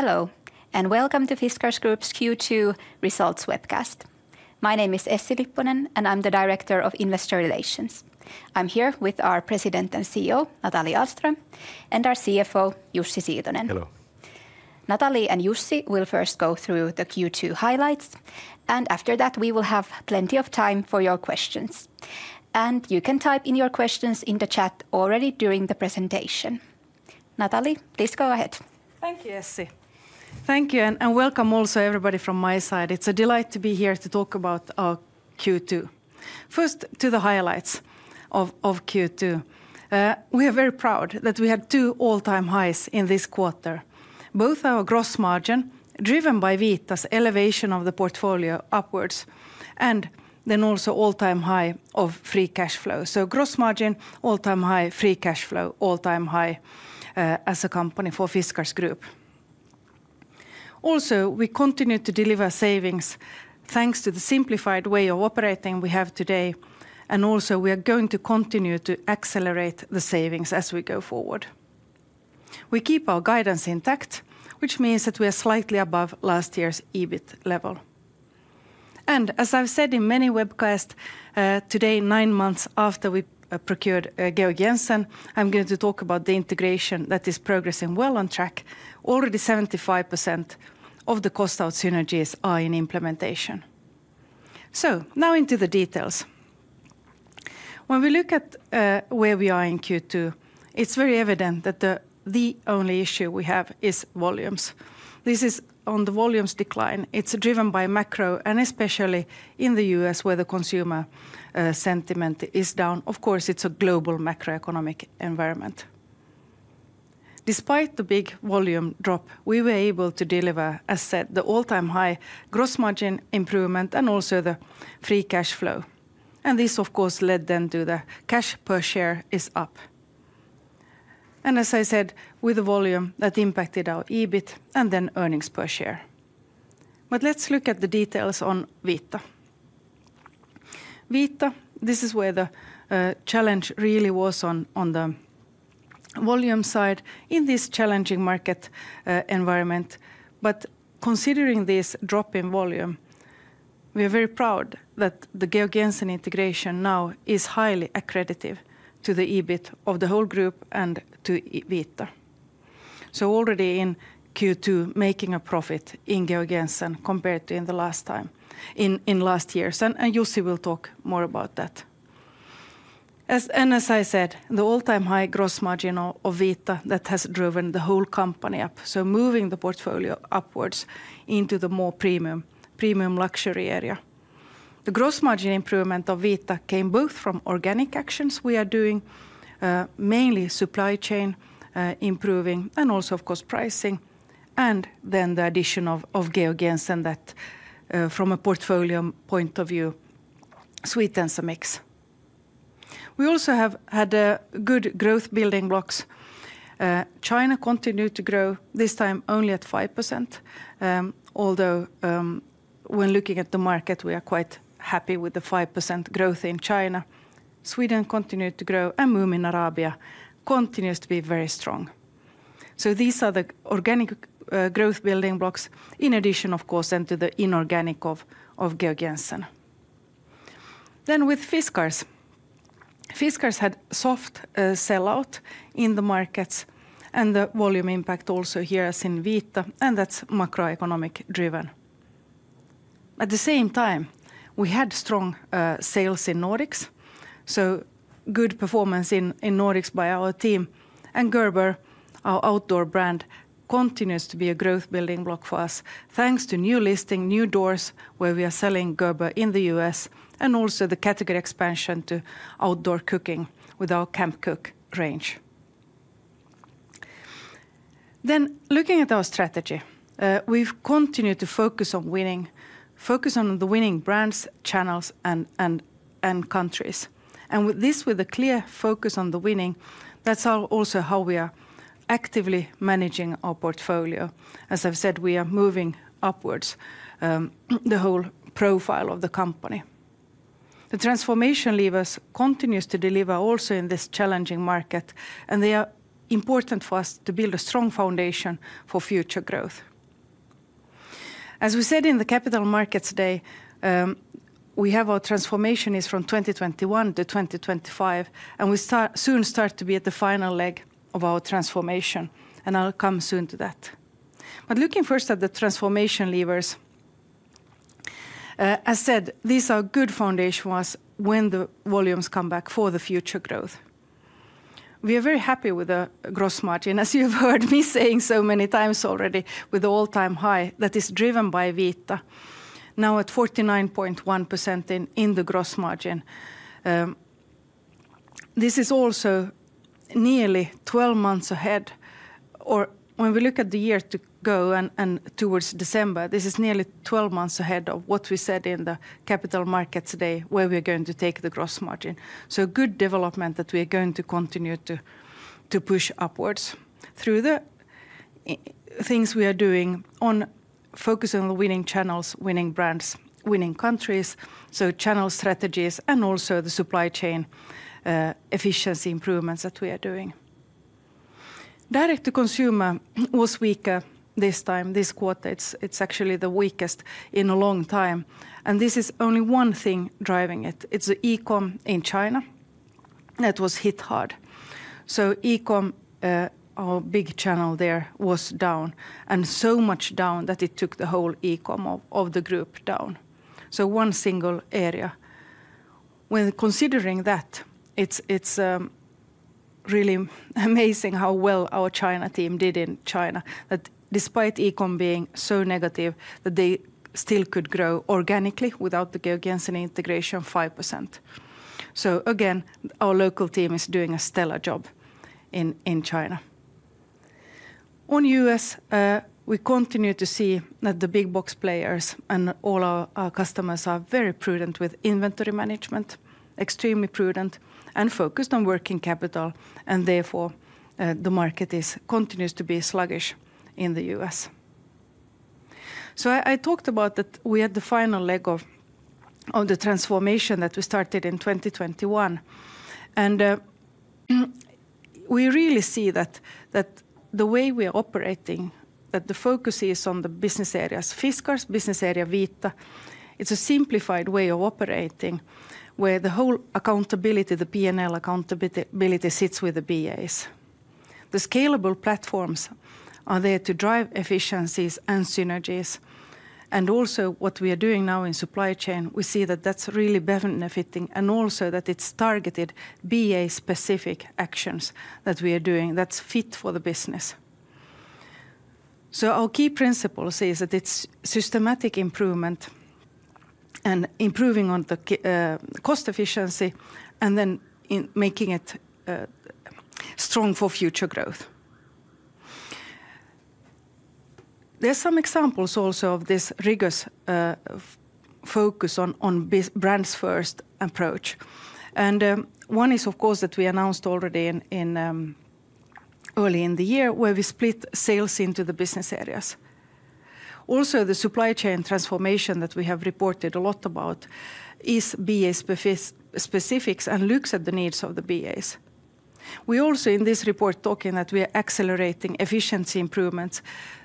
Hello, and welcome to Fiskars Group's Q2 results webcast. My name is Essi Lipponen, and I'm the Director of Investor Relations. I'm here with our President and CEO, Nathalie Ahlström, and our CFO, Jussi Siitonen. Hello. Nathalie and Jussi will first go through the Q2 highlights, and after that we will have plenty of time for your questions. You can type in your questions in the chat already during the presentation. Nathalie, please go ahead. Thank you, Essi. Thank you, and welcome also everybody from my side. It's a delight to be here to talk about our Q2. First, to the highlights of Q2. We are very proud that we had two all-time highs in this quarter, both our gross margin, driven by Vita's elevation of the portfolio upwards, and then also all-time high of free cash flow. So gross margin, all-time high, free cash flow, all-time high, as a company for Fiskars Group. Also, we continue to deliver savings, thanks to the simplified way of operating we have today, and also we are going to continue to accelerate the savings as we go forward. We keep our guidance intact, which means that we are slightly above last year's EBIT level. And as I've said in many webcasts, today, nine months after we procured Georg Jensen, I'm going to talk about the integration that is progressing well on track. Already 75% of the cost out synergies are in implementation. So now into the details. When we look at where we are in Q2, it's very evident that the only issue we have is volumes. On the volumes decline, it's driven by macro, and especially in the U.S., where the consumer sentiment is down. Of course, it's a global macroeconomic environment. Despite the big volume drop, we were able to deliver, as said, the all-time high gross margin improvement and also the free cash flow, and this of course led then to the cash per share is up. And as I said, with the volume, that impacted our EBIT and then earnings per share. But let's look at the details on Vita. Vita, this is where the challenge really was on, on the volume side in this challenging market environment. But considering this drop in volume, we are very proud that the Georg Jensen integration now is highly accretive to the EBIT of the whole group and to Vita. So already in Q2, making a profit in Georg Jensen compared to in the last time, in last years, and Jussi will talk more about that. And as I said, the all-time high gross margin of Vita, that has driven the whole company up, so moving the portfolio upwards into the more premium, premium luxury area. The gross margin improvement of Vita came both from organic actions we are doing, mainly supply chain, improving, and also of course pricing, and then the addition of, of Georg Jensen that, from a portfolio point of view, sweetens the mix. We also have had good growth building blocks. China continued to grow, this time only at 5%. Although, when looking at the market, we are quite happy with the 5% growth in China. Sweden continued to grow, and Moomin Arabia continues to be very strong. So these are the organic, growth building blocks, in addition, of course, then to the inorganic of, of Georg Jensen. Then with Fiskars. Fiskars had soft, sell-out in the markets, and the volume impact also here as in Vita, and that's macroeconomic driven. At the same time, we had strong sales in Nordics, so good performance in Nordics by our team. And Gerber, our outdoor brand, continues to be a growth building block for us, thanks to new listing, new doors, where we are selling Gerber in the U.S., and also the category expansion to outdoor cooking with our Camp Cook range. Then looking at our strategy, we've continued to focus on the winning brands, channels, and countries. And with this, with a clear focus on the winning, that's also how we are actively managing our portfolio. As I've said, we are moving upwards the whole profile of the company. The transformation levers continues to deliver also in this challenging market, and they are important for us to build a strong foundation for future growth. As we said in the Capital Markets Day, we have our transformation is from 2021 to 2025, and we soon start to be at the final leg of our transformation, and I'll come soon to that. But looking first at the transformation levers, as said, these are good foundation for us when the volumes come back for the future growth. We are very happy with the gross margin, as you've heard me saying so many times already, with all-time high that is driven by Vita, now at 49.1% in the gross margin. This is also nearly 12 months ahead, or when we look at the year to go and towards December, this is nearly 12 months ahead of what we said in the Capital Markets Day, where we're going to take the gross margin. So good development that we're going to continue to push upwards through the things we are doing, focus on the winning channels, winning brands, winning countries, so channel strategies, and also the supply chain efficiency improvements that we are doing. Direct to consumer was weaker this time, this quarter. It's actually the weakest in a long time, and this is only one thing driving it. It's the e-com in China that was hit hard. So e-com, our big channel there was down, and so much down that it took the whole e-com of the group down, so one single area. When considering that, it's really amazing how well our China team did in China, that despite e-com being so negative, that they still could grow organically without the Georg Jensen integration 5%. So again, our local team is doing a stellar job in China. In the U.S., we continue to see that the big box players and all our customers are very prudent with inventory management, extremely prudent, and focused on working capital, and therefore, the market continues to be sluggish in the U.S. So I talked about that we had the final leg of the transformation that we started in 2021, and we really see that the way we are operating, the focus is on the business areas, Business Area Fiskars, Business Area Vita. It's a simplified way of operating, where the whole accountability, the P&L accountability ability sits with the BAs. The scalable platforms are there to drive efficiencies and synergies, and also what we are doing now in supply chain, we see that that's really benefiting, and also that it's targeted BA specific actions that we are doing that's fit for the business. So our key principles is that it's systematic improvement and improving on the cost efficiency, and then in making it strong for future growth. There are some examples also of this rigorous focus on brands first approach, and one is, of course, that we announced already in early in the year, where we split sales into the business areas. Also, the supply chain transformation that we have reported a lot about is BA specifics and looks at the needs of the BAs. We also, in this report, talking that we are accelerating efficiency improvements.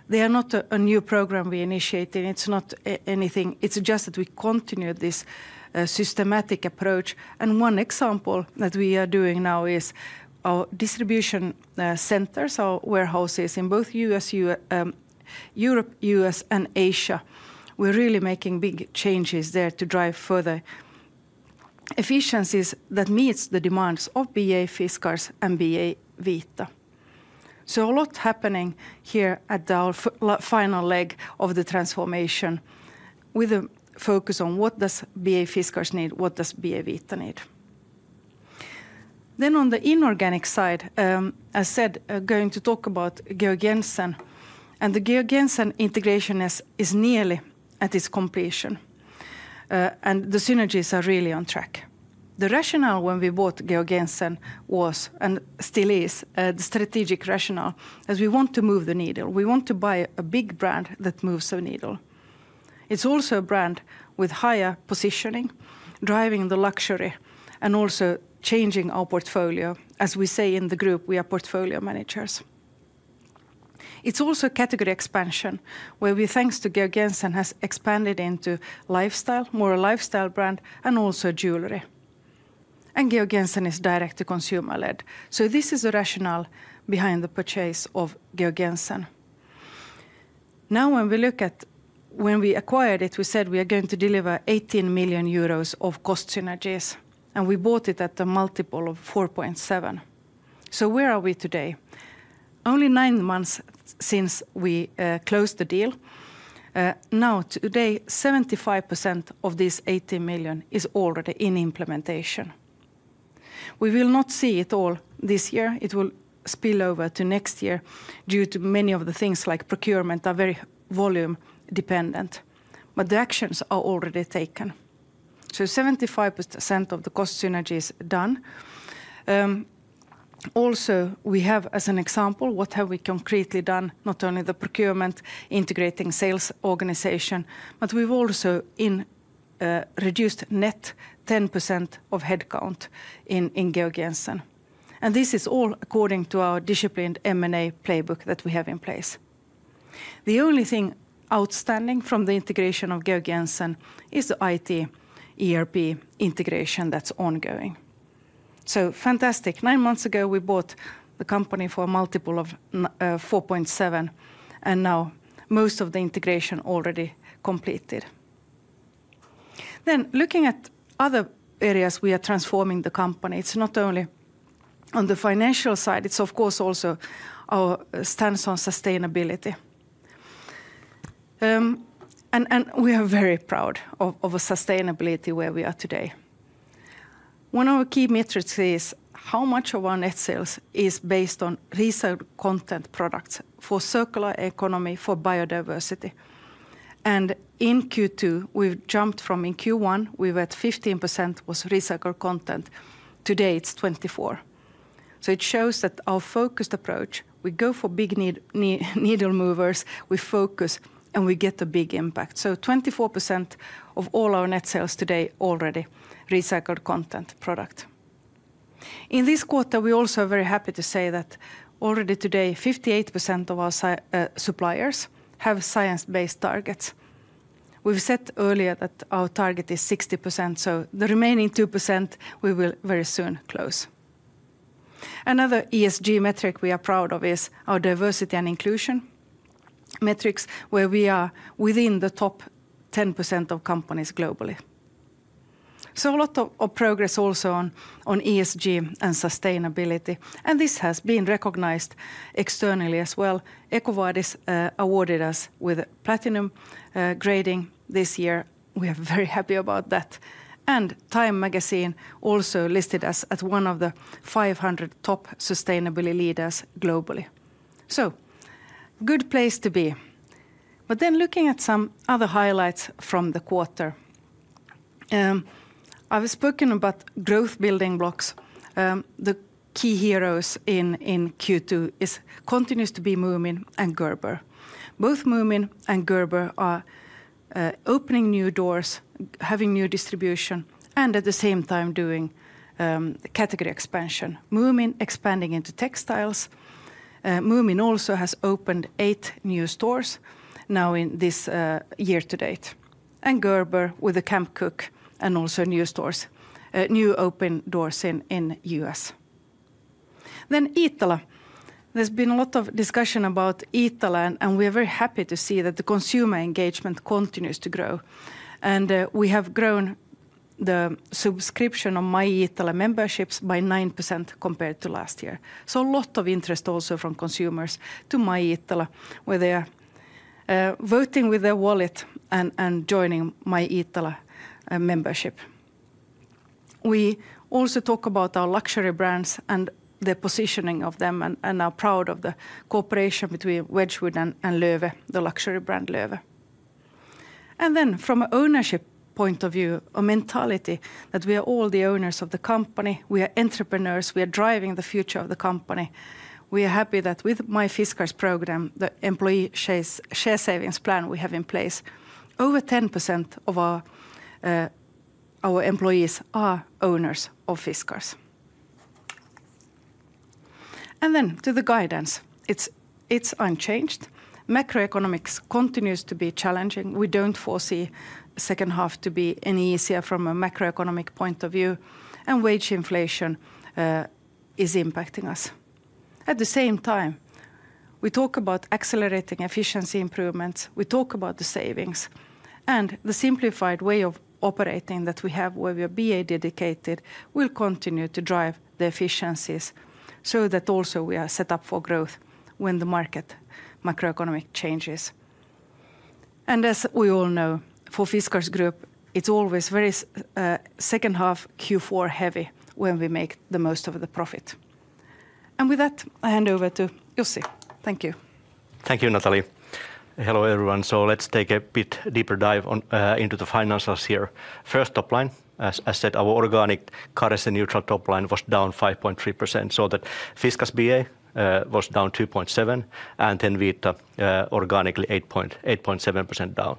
They are not a new program we initiated, it's not anything, it's just that we continue this systematic approach, and one example that we are doing now is our distribution centers, our warehouses in both U.S., Europe, U.S., and Asia. We're really making big changes there to drive further efficiencies that meets the demands of BA Fiskars and BA Vita. So a lot happening here at our final leg of the transformation, with a focus on what does BA Fiskars need, what does BA Vita need? Then on the inorganic side, I said, going to talk about Georg Jensen, and the Georg Jensen integration is nearly at its completion, and the synergies are really on track. The rationale when we bought Georg Jensen was, and still is, a strategic rationale, as we want to move the needle. We want to buy a big brand that moves the needle. It's also a brand with higher positioning, driving the luxury, and also changing our portfolio. As we say in the group, we are portfolio managers. It's also category expansion, where we, thanks to Georg Jensen, has expanded into lifestyle, more a lifestyle brand, and also jewelry. And Georg Jensen is direct to consumer led. So this is the rationale behind the purchase of Georg Jensen. Now, when we look at when we acquired it, we said, "We are going to deliver 18 million euros of cost synergies," and we bought it at a multiple of 4.7. So where are we today? Only nine months since we closed the deal. Now, today, 75% of this 18 million is already in implementation. We will not see it all this year. It will spill over to next year due to many of the things like procurement are very volume dependent, but the actions are already taken. So 75% of the cost synergy is done. Also, we have, as an example, what have we concretely done? Not only the procurement, integrating sales organization, but we've also reduced net 10% of headcount in Georg Jensen, and this is all according to our disciplined M&A playbook that we have in place. The only thing outstanding from the integration of Georg Jensen is the IT, ERP integration that's ongoing. So fantastic! Nine months ago, we bought the company for a multiple of 4.7, and now most of the integration already completed. Then, looking at other areas, we are transforming the company. It's not only on the financial side, it's of course, also our stance on sustainability. We are very proud of a sustainability where we are today. One of our key metrics is how much of our net sales is based on recycled content products for circular economy, for biodiversity. And in Q2, we've jumped from in Q1, we were at 15% recycled content. Today, it's 24%. So it shows that our focused approach, we go for big needle movers, we focus, and we get a big impact. So 24% of all our net sales today already recycled content product. In this quarter, we also are very happy to say that already today, 58% of our suppliers have science-based targets. We've said earlier that our target is 60%, so the remaining 2% we will very soon close. Another ESG metric we are proud of is our diversity and inclusion metrics, where we are within the top 10% of companies globally. So a lot of progress also on ESG and sustainability, and this has been recognized externally as well. EcoVadis awarded us with a platinum grading this year. We are very happy about that. And Time Magazine also listed us as one of the 500 top sustainability leaders globally. So good place to be. But then looking at some other highlights from the quarter, I was spoken about growth building blocks. The key heroes in Q2 is continues to be Moomin and Gerber. Both Moomin and Gerber are opening new doors, having new distribution, and at the same time doing category expansion. Moomin expanding into textiles. Moomin also has opened 8 new stores now in this year to date. Gerber with the Camp Cook and also new stores, new open doors in the U.S. Iittala, there's been a lot of discussion about Iittala, and we are very happy to see that the consumer engagement continues to grow. We have grown the subscription of Myiittala memberships by 9% compared to last year. So a lot of interest also from consumers to Myiittala, where they are voting with their wallet and joining Myiittala membership. We also talk about our luxury brands and the positioning of them, and are proud of the cooperation between Wedgwood and Loewe, the luxury brand Loewe. Then from a ownership point of view or mentality, that we are all the owners of the company, we are entrepreneurs, we are driving the future of the company. We are happy that with MyFiskars program, the employee shares, share savings plan we have in place, over 10% of our employees are owners of Fiskars. To the guidance, it's, it's unchanged. Macroeconomics continues to be challenging. We don't foresee second half to be any easier from a macroeconomic point of view, and wage inflation is impacting us. At the same time, we talk about accelerating efficiency improvements, we talk about the savings, and the simplified way of operating that we have with our BA dedicated will continue to drive the efficiencies so that also we are set up for growth when the market macroeconomic changes. As we all know, for Fiskars Group, it's always very second half Q4 heavy when we make the most of the profit. With that, I hand over to Jussi. Thank you. Thank you, Nathalie. Hello, everyone. So let's take a bit deeper dive into the financials here. First, top line. As said, our organic currency neutral top line was down 5.3%, so the Fiskars BA was down 2.7, and then Vita organically 8.7% down.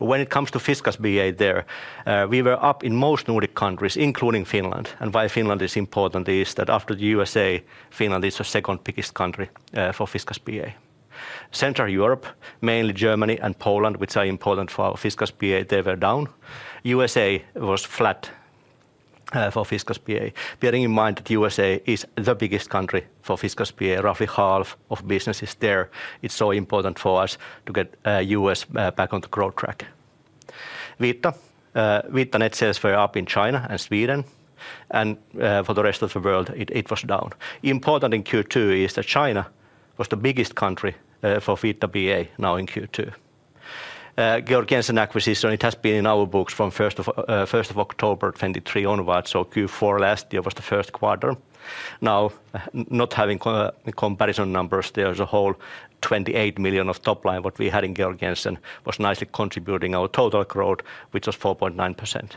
When it comes to Fiskars BA there, we were up in most Nordic countries, including Finland. And why Finland is important is that after the U.S.A., Finland is the second biggest country for Fiskars BA. Central Europe, mainly Germany and Poland, which are important for our Fiskars BA, they were down. U.S.A. was flat for Fiskars BA. Bearing in mind that U.S.A. is the biggest country for Fiskars BA, roughly half of business is there. It's so important for us to get U.S. back on the growth track. Vita net sales were up in China and Sweden, and for the rest of the world, it was down. Important in Q2 is that China was the biggest country for Vita BA now in Q2. Georg Jensen acquisition, it has been in our books from first of October 2023 onwards, so Q4 last year was the Q1. Now, not having comparison numbers, there is a whole 28 million of top line what we had in Georg Jensen was nicely contributing our total growth, which was 4.9%.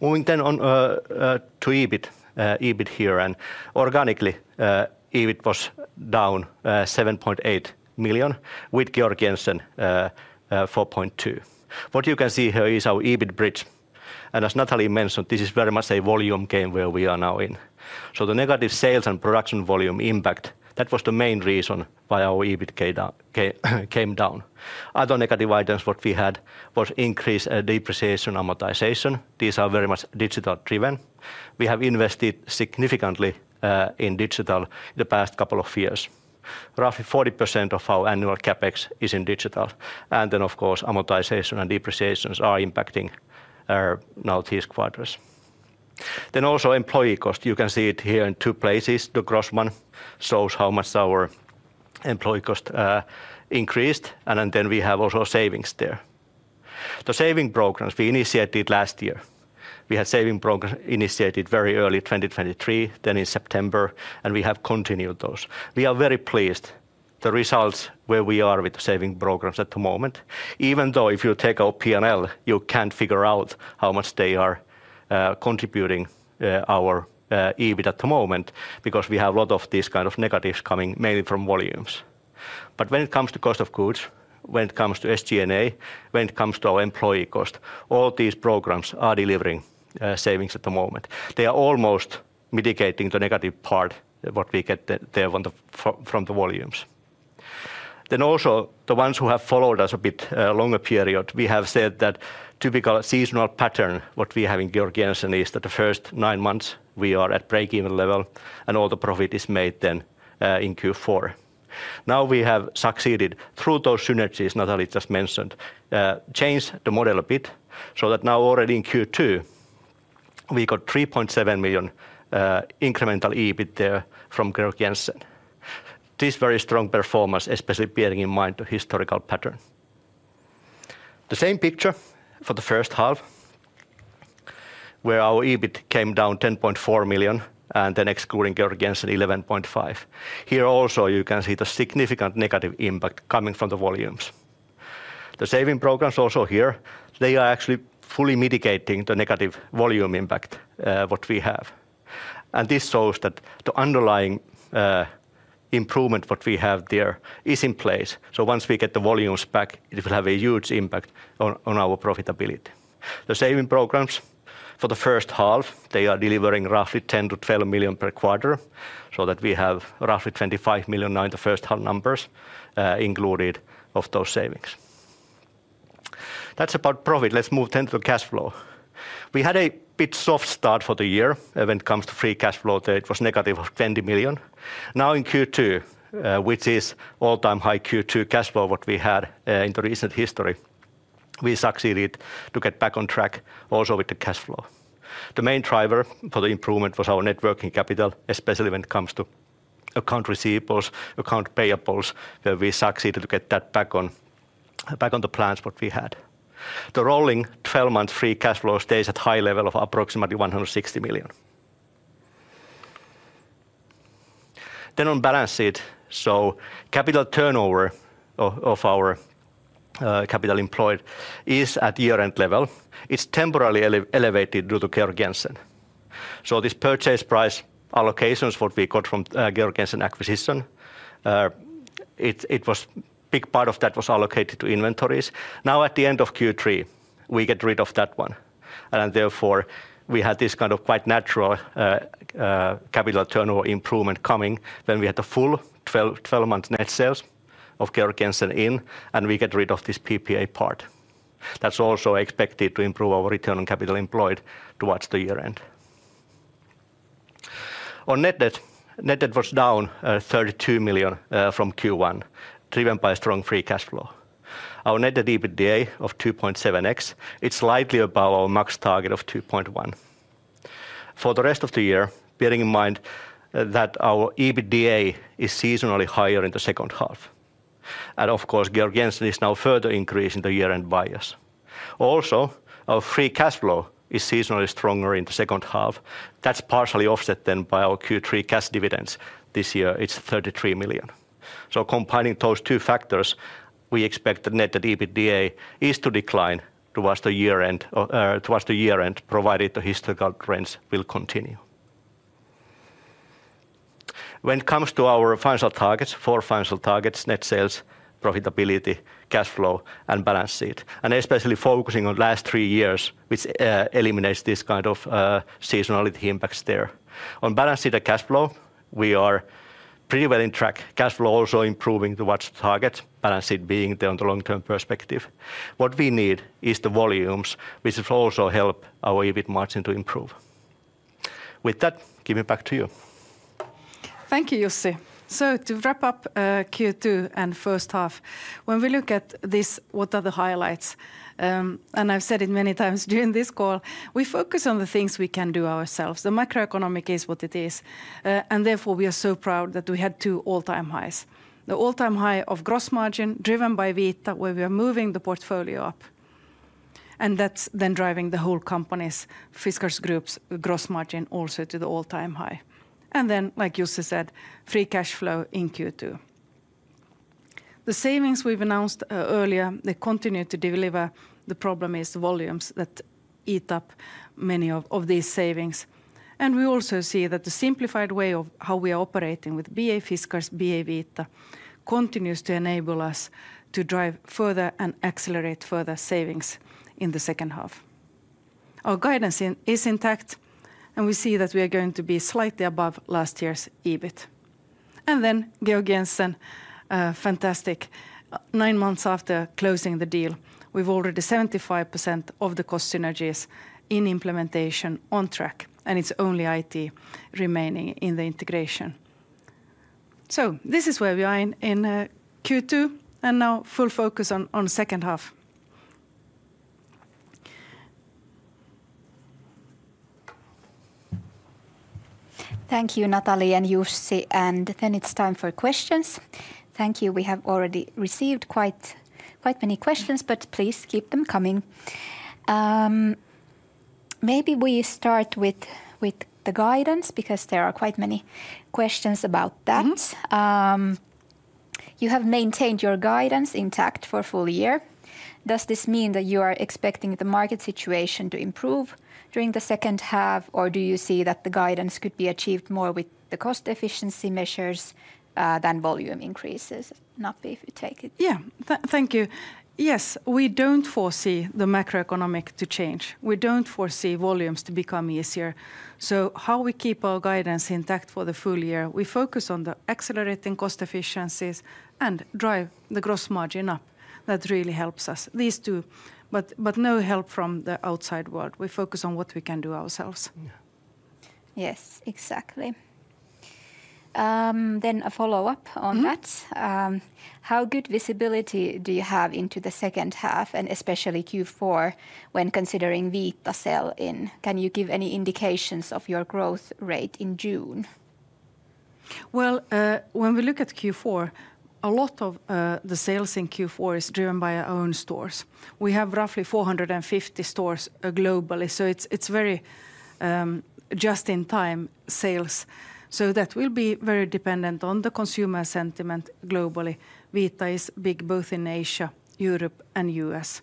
Moving then on to EBIT, EBIT here, and organically, EBIT was down 7.8 million, with Georg Jensen 4.2. What you can see here is our EBIT bridge, and as Nathalie mentioned, this is very much a volume game where we are now in. So the negative sales and production volume impact, that was the main reason why our EBIT came down. Other negative items, what we had, was increased depreciation, amortization. These are very much digital driven. We have invested significantly in digital the past couple of years. Roughly 40% of our annual CapEx is in digital, and then, of course, amortization and depreciations are impacting our now these quarters. Then also employee cost, you can see it here in two places. The gross one shows how much our employee cost increased, and then we have also savings there. The saving programs we initiated last year. We had savings programs initiated very early 2023, then in September, and we have continued those. We are very pleased with the results where we are with the savings programs at the moment, even though if you take our P&L, you can't figure out how much they are contributing to our EBIT at the moment, because we have a lot of these kind of negatives coming mainly from volumes. But when it comes to cost of goods, when it comes to SG&A, when it comes to our employee cost, all these programs are delivering savings at the moment. They are almost mitigating the negative part what we get from the volumes. Then also, the ones who have followed us a bit longer period, we have said that typical seasonal pattern, what we have in Georg Jensen is that the first nine months we are at breakeven level, and all the profit is made then in Q4. Now, we have succeeded through those synergies Nathalie just mentioned, changed the model a bit, so that now already in Q2, we got 3.7 million incremental EBIT there from Georg Jensen. This very strong performance, especially bearing in mind the historical pattern. The same picture for the first half, where our EBIT came down 10.4 million, and then excluding Georg Jensen, 11.5 million. Here also, you can see the significant negative impact coming from the volumes. The saving programs also here, they are actually fully mitigating the negative volume impact what we have. This shows that the underlying improvement what we have there is in place, so once we get the volumes back, it will have a huge impact on, on our profitability. The saving programs for the first half, they are delivering roughly 10 million to 12 million per quarter, so that we have roughly 25 million now in the first half numbers, included of those savings. That's about profit. Let's move then to cash flow. We had a bit soft start for the year when it comes to free cash flow. There it was negative 20 million. Now in Q2, which is all-time high Q2 cash flow, what we had in the recent history, we succeeded to get back on track also with the cash flow. The main driver for the improvement was our net working capital, especially when it comes to account receivables, account payables, where we succeeded to get that back on the plans what we had. The rolling 12-month free cash flow stays at high level of approximately 160 million. Then on balance sheet, the capital turnover of our capital employed is at year-end level. It's temporarily elevated due to Georg Jensen. So this purchase price allocations, what we got from the Georg Jensen acquisition, it was big part of that was allocated to inventories. Now, at the end of Q3, we get rid of that one, and therefore, we had this kind of quite natural capital turnover improvement coming when we had the full 12-month net sales of Georg Jensen in, and we get rid of this PPA part. That's also expected to improve our return on capital employed towards the year end. On net debt, net debt was down 32 million from Q1, driven by strong free cash flow. Our net debt EBITDA of 2.7x, it's slightly above our max target of 2.1. For the rest of the year, bearing in mind that our EBITDA is seasonally higher in the second half, and of course, Georg Jensen is now further increasing the year-end bias. Also, our free cash flow is seasonally stronger in the second half. That's partially offset then by our Q3 cash dividends. This year, it's 33 million. So combining those two factors, we expect the net debt EBITDA is to decline towards the year end, or towards the year end, provided the historical trends will continue. When it comes to our financial targets, four financial targets, net sales, profitability, cash flow, and balance sheet, and especially focusing on last three years, which eliminates this kind of seasonality impacts there. On balance sheet and cash flow, we are pretty well on track. Cash flow also improving towards target, balance sheet being there on the long-term perspective. What we need is the volumes, which will also help our EBIT margin to improve. With that, giving back to you. Thank you, Jussi. So to wrap up, Q2 and first half, when we look at this, what are the highlights? And I've said it many times during this call, we focus on the things we can do ourselves. The macroeconomic is what it is, and therefore, we are so proud that we had two all-time highs. The all-time high of gross margin, driven by Vita, where we are moving the portfolio up, and that's then driving the whole company's, Fiskars Group's gross margin also to the all-time high. And then, like Jussi said, free cash flow in Q2. The savings we've announced, earlier, they continue to deliver. The problem is the volumes that eat up many of these savings. We also see that the simplified way of how we are operating with BA Fiskars, BA Vita, continues to enable us to drive further and accelerate further savings in the second half. Our guidance is intact, and we see that we are going to be slightly above last year's EBIT. And then Georg Jensen, fantastic. Nine months after closing the deal, we've already 75% of the cost synergies in implementation on track, and it's only IT remaining in the integration. So this is where we are in Q2, and now full focus on second half. Thank you, Nathalie and Jussi, and then it's time for questions. Thank you. We have already received quite, quite many questions, but please keep them coming. Maybe we start with the guidance, because there are quite many questions about that. Mm. You have maintained your guidance intact for full year. Does this mean that you are expecting the market situation to improve during the second half, or do you see that the guidance could be achieved more with the cost efficiency measures, than volume increases? Nathalie, if you take it. Yeah. Thank you. Yes, we don't foresee the macroeconomic to change. We don't foresee volumes to become easier. So how we keep our guidance intact for the full year, we focus on the accelerating cost efficiencies and drive the gross margin up. That really helps us, these two, but, but no help from the outside world. We focus on what we can do ourselves. Yeah. Yes, exactly. Then a follow-up on that. Mm. How good visibility do you have into the second half, and especially Q4, when considering Viita sell-in? Can you give any indications of your growth rate in June? Well, when we look at Q4, a lot of the sales in Q4 is driven by our own stores. We have roughly 450 stores globally, so it's very just in time sales. So that will be very dependent on the consumer sentiment globally. Vita is big, both in Asia, Europe, and U.S.,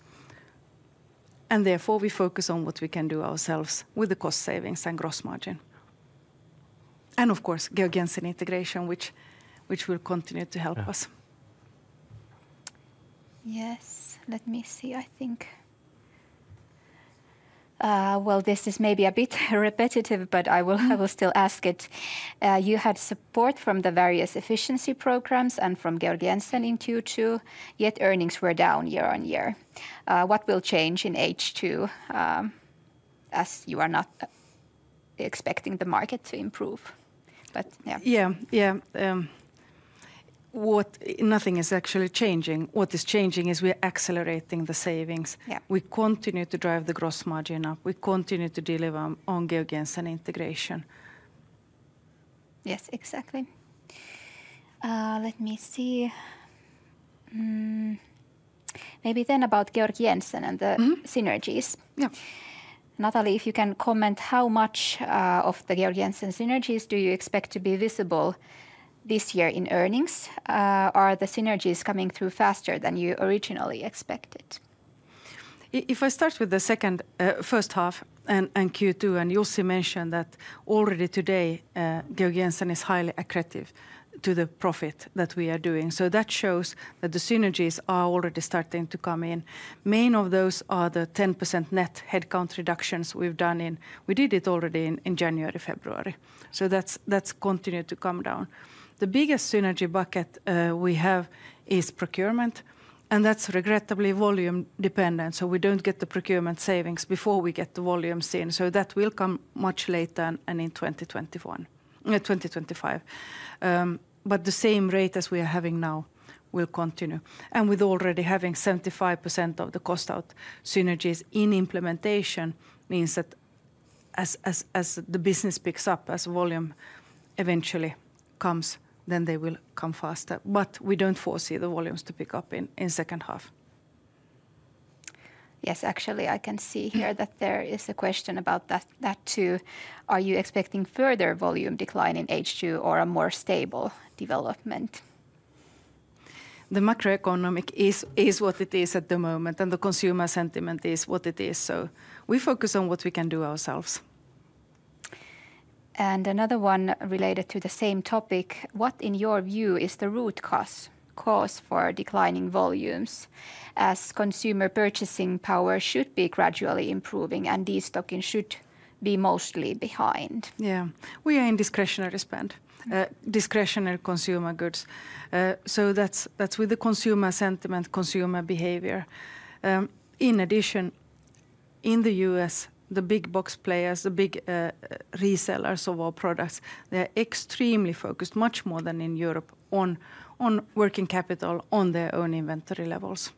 and therefore we focus on what we can do ourselves with the cost savings and gross margin. And of course, Georg Jensen integration, which will continue to help us. Yeah. Yes. Let me see, I think, well, this is maybe a bit repetitive, but I will Mm I will still ask it. You had support from the various efficiency programs and from Georg Jensen in Q2, yet earnings were down year-on-year. What will change in H2, as you are not expecting the market to improve? But, yeah. Yeah, yeah, Nothing is actually changing. What is changing is we're accelerating the savings. Yeah. We continue to drive the gross margin up. We continue to deliver on Georg Jensen integration. Yes, exactly. Let me see. Maybe then about Georg Jensen and the Mm synergies. Yeah. Nathalie, if you can comment how much, of the Georg Jensen synergies do you expect to be visible this year in earnings? Are the synergies coming through faster than you originally expected? If I start with the second, first half, and Q2, and you also mentioned that already today, Georg Jensen is highly accretive to the profit that we are doing. So that shows that the synergies are already starting to come in. Main of those are the 10% net headcount reductions we've done in. We did it already in January, February, so that's continued to come down. The biggest synergy bucket we have is procurement, and that's regrettably volume dependent, so we don't get the procurement savings before we get the volumes in. So that will come much later and in 2021, 2025. But the same rate as we are having now will continue. With already having 75% of the cost out synergies in implementation, means that as the business picks up, as volume eventually comes, then they will come faster. But we don't foresee the volumes to pick up in second half. Yes, actually, I can see here that there is a question about that, that too. Are you expecting further volume decline in H2 or a more stable development? The macroeconomic is what it is at the moment, and the consumer sentiment is what it is, so we focus on what we can do ourselves. Another one related to the same topic: What, in your view, is the root cause, cause for declining volumes, as consumer purchasing power should be gradually improving and de-stocking should be mostly behind? Yeah. We are in discretionary spend, discretionary consumer goods. So that's with the consumer sentiment, consumer behavior. In addition, in the U.S., the big box players, the big resellers of our products, they're extremely focused, much more than in Europe, on working capital, on their own inventory levels.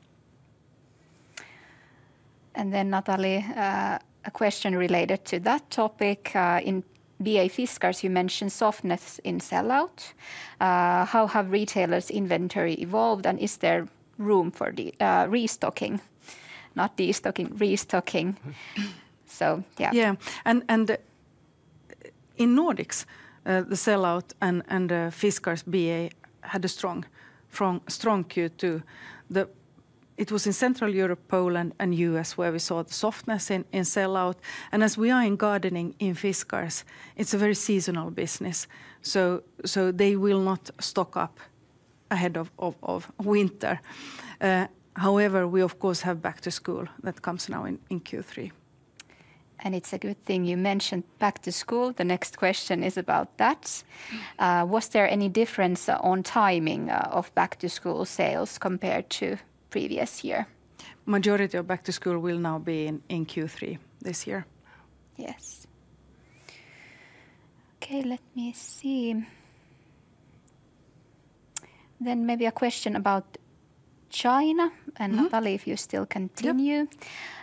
Then, Nathalie, a question related to that topic, in BA Fiskars, you mentioned softness in sell-out. How have retailers' inventory evolved, and is there room for restocking? Not de-stocking, restocking. So, yeah. Yeah, and in Nordics, the sell-out and Fiskars BA had a strong, strong, strong Q2. It was in Central Europe, Poland, and U.S. where we saw the softness in sell-out. And as we are in gardening, in Fiskars, it's a very seasonal business, so they will not stock up ahead of winter. However, we of course have back to school. That comes now in Q3. It's a good thing you mentioned back to school. The next question is about that. Mm. Was there any difference on timing of back to school sales compared to previous year? Majority of back to school will now be in Q3 this year. Yes. Okay, let me see. Then maybe a question about China? Mm-hmm. Nathalie, if you still continue.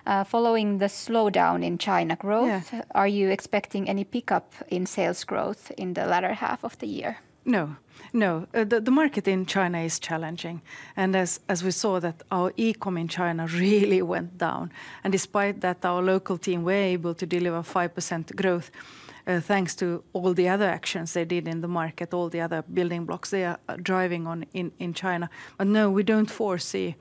Yep. Following the slowdown in China growth, Yeah are you expecting any pickup in sales growth in the latter half of the year? No. No. The, the market in China is challenging, and as, as we saw that our e-com in China really went down, and despite that, our local team were able to deliver 5% growth, thanks to all the other actions they did in the market, all the other building blocks they are driving on in, in China. But no, we don't foresee,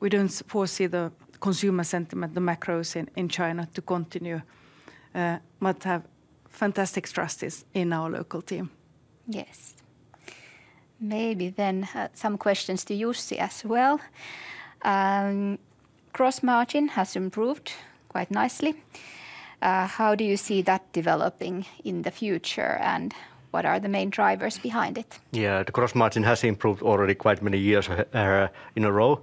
we don't foresee the consumer sentiment, the macros in, in China to continue, but have fantastic trust in our local team. Yes. Maybe then, some questions to Jussi as well. Gross margin has improved quite nicely. How do you see that developing in the future, and what are the main drivers behind it? Yeah, the gross margin has improved already quite many years in a row.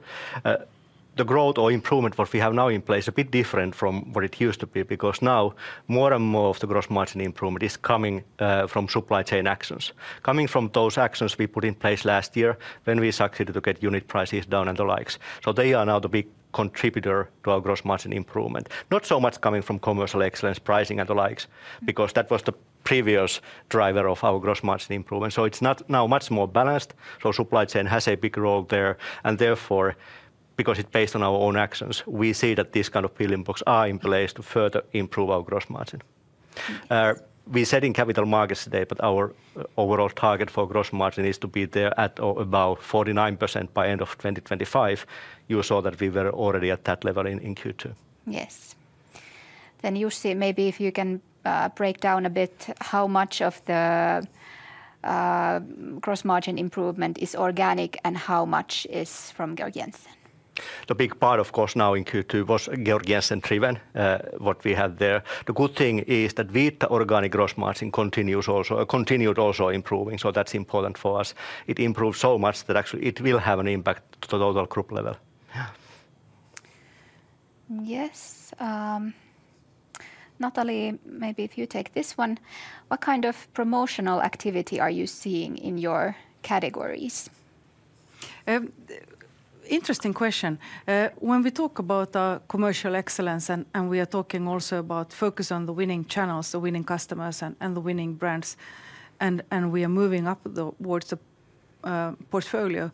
The growth or improvement what we have now in place a bit different from what it used to be, because now more and more of the gross margin improvement is coming from supply chain actions, coming from those actions we put in place last year when we succeeded to get unit prices down and the likes. So they are now the big contributor to our gross margin improvement. Not so much coming from commercial excellence, pricing, and the likes, because that was the previous driver of our gross margin improvement, so it's not, now much more balanced, so supply chain has a big role there, and therefore, because it's based on our own actions, we see that this kind of building blocks are in place to further improve our gross margin. We said in capital markets today that our overall target for gross margin is to be there at about 49% by end of 2025. You saw that we were already at that level in Q2. Yes. Then, Jussi, maybe if you can, break down a bit how much of the gross margin improvement is organic, and how much is from Georg Jensen? The big part, of course, now in Q2 was Georg Jensen driven, what we have there. The good thing is that with the organic gross margin continues also continued also improving, so that's important for us. It improved so much that actually it will have an impact to the other group level. Yeah. Yes. Nathalie Ahlström, maybe if you take this one, what kind of promotional activity are you seeing in your categories? Interesting question. When we talk about commercial excellence, and we are talking also about focus on the winning channels, the winning customers, and the winning brands, and we are moving up the towards the portfolio,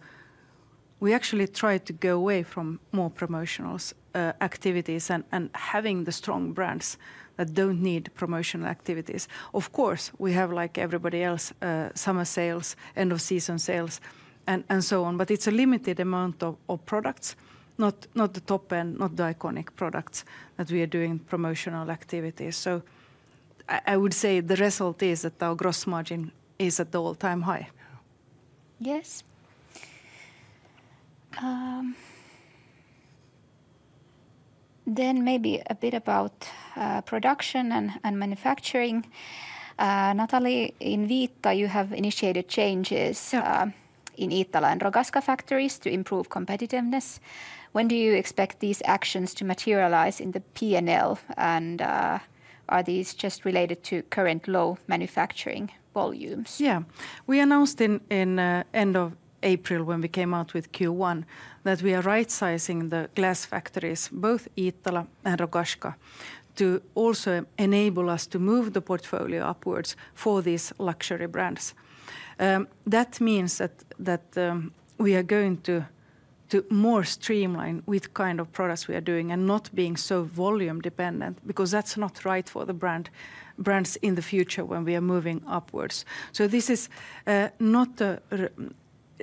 we actually try to go away from more promotionals activities and having the strong brands that don't need promotional activities. Of course, we have, like everybody else, summer sales, end of season sales, and so on, but it's a limited amount of products, not the top end, not the iconic products that we are doing promotional activities. So I would say the result is that our gross margin is at the all-time high. Yes. Then maybe a bit about production and manufacturing. Nathalie, in Iittala you have initiated changes. Yeah in Iittala and Rogaška factories to improve competitiveness. When do you expect these actions to materialize in the P&L, and, are these just related to current low manufacturing volumes? Yeah. We announced in the end of April when we came out with Q1, that we are rightsizing the glass factories, both Iittala and Rogaška, to also enable us to move the portfolio upwards for these luxury brands. That means that we are going to more streamline which kind of products we are doing and not being so volume-dependent, because that's not right for the brands in the future when we are moving upwards. So this is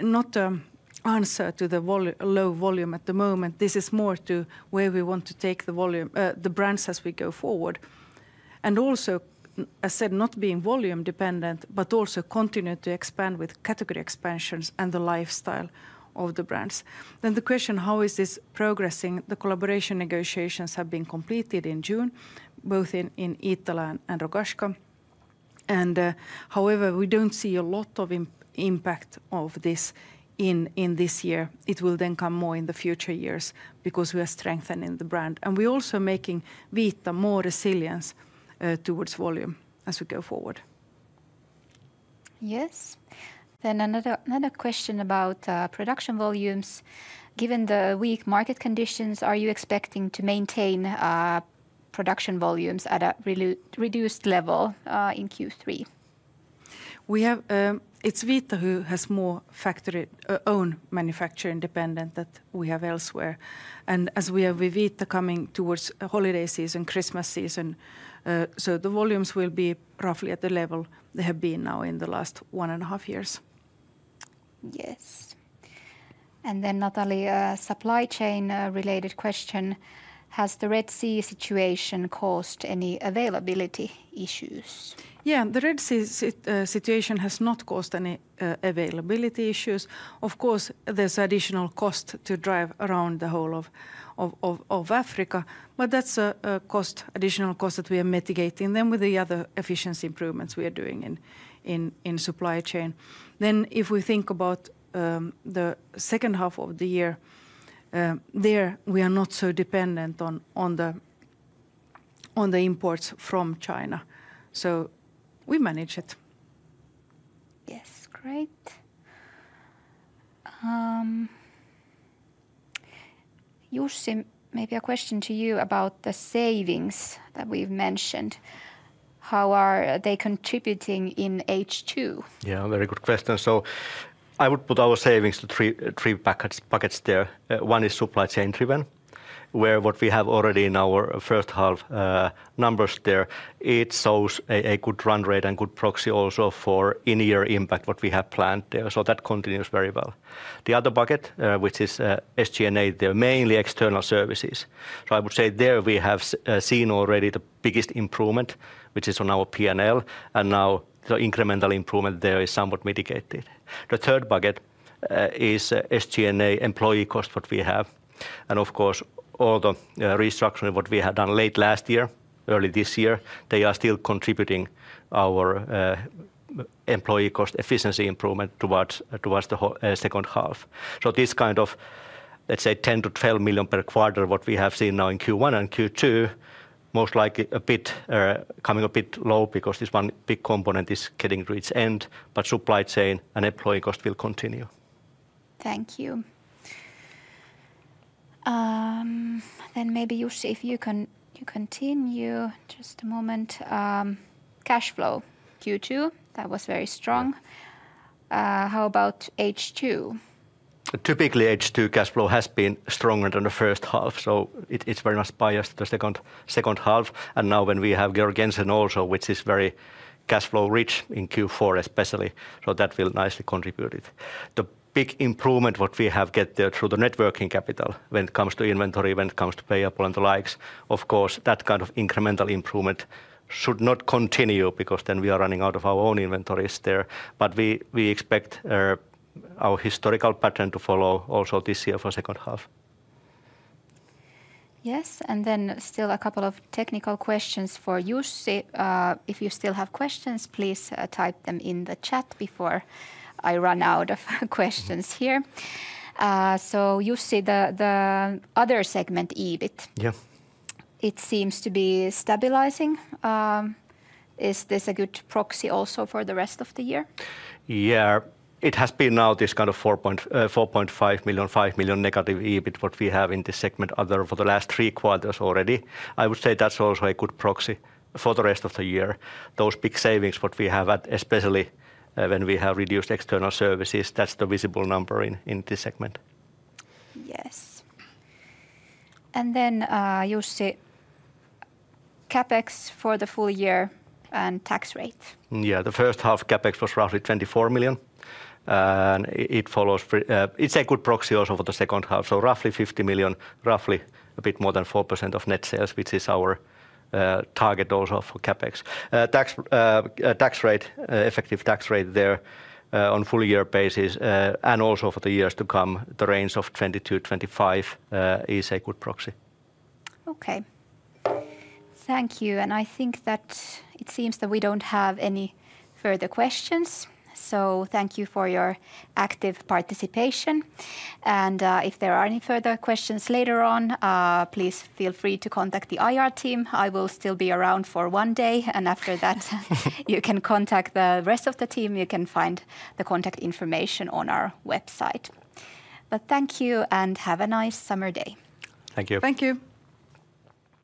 not an answer to the low volume at the moment. This is more to where we want to take the brands as we go forward. And also, as said, not being volume dependent, but also continue to expand with category expansions and the lifestyle of the brands. Then the question: How is this progressing? The collaboration negotiations have been completed in June, both in Iittala and Rogaška, and however, we don't see a lot of impact of this in this year. It will then come more in the future years, because we are strengthening the brand, and we're also making Iittala more resilience towards volume as we go forward. Yes. Then another question about production volumes. Given the weak market conditions, are you expecting to maintain production volumes at a reduced level in Q3? We have, It's Iittala who has more factory, own manufacturer independent that we have elsewhere, and as we are with Iittala coming towards a holiday season, Christmas season, so the volumes will be roughly at the level they have been now in the last one and a half years. Yes. And then, Natalie, a supply chain related question: Has the Red Sea situation caused any availability issues? Yeah, the Red Sea situation has not caused any availability issues. Of course, there's additional cost to drive around the whole of Africa, but that's an additional cost that we are mitigating then with the other efficiency improvements we are doing in supply chain. Then if we think about the second half of the year, there we are not so dependent on the imports from China, so we manage it. Yes, great. Jussi, maybe a question to you about the savings that we've mentioned. How are they contributing in H2? Yeah, very good question. So I would put our savings into three buckets there. One is supply chain driven, where what we have already in our first half numbers there, it shows a good run rate and good proxy also for annual impact what we have planned there. So that continues very well. The other bucket, which is SG&A, there mainly external services. So I would say there we have seen already the biggest improvement, which is on our P&L, and now the incremental improvement there is somewhat mitigated. The third bucket is SG&A employee cost, what we have, and of course, all the restructuring what we had done late last year, early this year, they are still contributing our employee cost efficiency improvement towards the second half. So this kind of, let's say, 10 million to 12 million per quarter, what we have seen now in Q1 and Q2, most likely a bit coming a bit low because this one big component is getting to its end, but supply chain and employee cost will continue. Thank you. Then maybe, Jussi, if you can continue. Just a moment. Cash flow, Q2, that was very strong. Yeah. How about H2? Typically, H2 cash flow has been stronger than the first half, so it's very much biased to the second, second half. And now when we have Georg Jensen also, which is very cash flow rich in Q4 especially, so that will nicely contribute it. The big improvement what we have get there through the net working capital when it comes to inventory, when it comes to payables and the likes, of course, that kind of incremental improvement should not continue because then we are running out of our own inventories there. But we, we expect, our historical pattern to follow also this year for second half. Yes, and then still a couple of technical questions for Jussi. If you still have questions, please type them in the chat before I run out of questions here. So Jussi, the other segment, EBIT, Yeah it seems to be stabilizing. Is this a good proxy also for the rest of the year? Yeah. It has been now this kind of 4.5 million to 5 million negative EBIT, what we have in this segment other for the last three quarters already. I would say that's also a good proxy for the rest of the year. Those big savings, what we have. Especially, when we have reduced external services, that's the visible number in this segment. Yes. And then, Jussi, CapEx for the full year and tax rate. Yeah, the first half CapEx was roughly 24 million, and it follows. It's a good proxy also for the second half, so roughly 50 million, roughly a bit more than 4% of net sales, which is our target also for CapEx. Tax rate, effective tax rate there, on full year basis, and also for the years to come, the range of 20% to 25% is a good proxy. Okay. Thank you, and I think that it seems that we don't have any further questions, so thank you for your active participation, and if there are any further questions later on, please feel free to contact the IR team. I will still be around for one day, and after that you can contact the rest of the team. You can find the contact information on our website. But thank you, and have a nice summer day. Thank you. Thank you!